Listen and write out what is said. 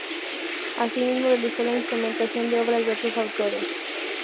Asimismo, realizó la instrumentación de obras de otros autores.